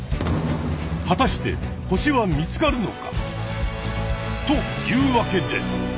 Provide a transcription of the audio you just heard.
はたしてホシは見つかるのか？というわけで。